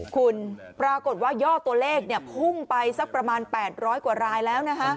คุณปรากฏว่ายอดตัวเลขพุ่งไปสักประมาณ๘๐๐กว่ารายแล้วนะฮะ